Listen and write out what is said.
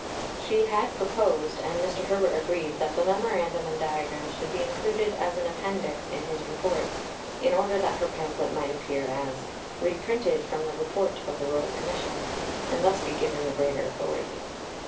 She had proposed, and Mr. Herbert agreed, that the memorandum and diagrams should be included as an appendix in his Report, in order that her pamphlet might appear as "Reprinted from the Report of the Royal Commission," and thus be given the greater authority.